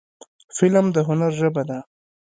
فلم د هنر ژبه ده